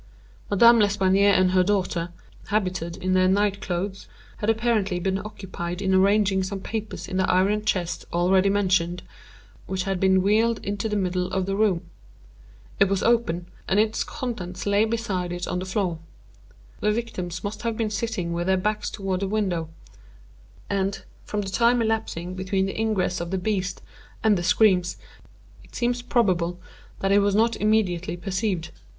Madame L'Espanaye and her daughter, habited in their night clothes, had apparently been occupied in arranging some papers in the iron chest already mentioned, which had been wheeled into the middle of the room. It was open, and its contents lay beside it on the floor. The victims must have been sitting with their backs toward the window; and, from the time elapsing between the ingress of the beast and the screams, it seems probable that it was not immediately perceived.